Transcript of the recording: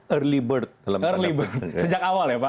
early bird earlyber sejak awal ya pak